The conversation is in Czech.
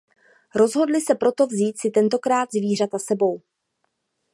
Rozhodli se proto vzít si tentokrát zvířata sebou.